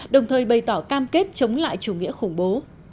đồng thời bày tỏ cam kết chống lại chủ nghĩa khủng bố